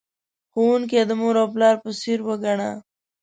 ښوونکی د مور او پلار په څیر وگڼه.